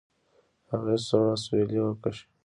هغې سوړ اسويلى وکېښ.